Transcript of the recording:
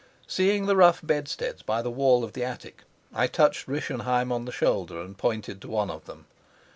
Seeing the rough bedsteads by the wall of the attic, I touched Rischenheim on the shoulder and pointed to one of them.